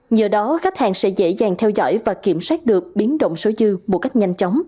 nhờ đó khách hàng sẽ dễ dàng theo dõi và kiểm soát được biến động số dư một cách nhanh chóng